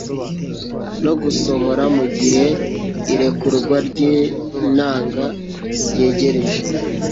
no gusohora mu gihe irekurwa ry'intanga ryegereje